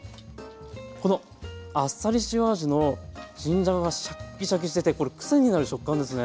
このあっさり塩味の新じゃががシャッキシャキしててこれクセになる食感ですね。